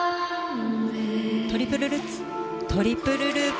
トリプルルッツトリプルループ。